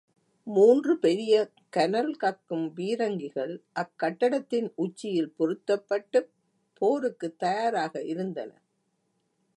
மூன்று பெரிய கனல் கக்கும் பீரங்கிகள் அக்கட்டடத்தின் உச்சியில் பொருத்தப் பட்டுப் போருக்குத் தயாராக இருந்தன.